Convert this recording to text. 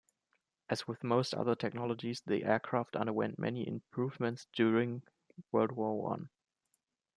As with most other technologies, the aircraft underwent many improvements during World War One.